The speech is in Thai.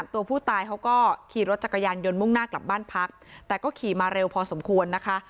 ตัวผู้ตายเขาก็ขี่รถจักรยานยนต์มุ่งหน้ากลับบ้านพักแต่ก็ขี่มาเร็วพอสมควรนะคะ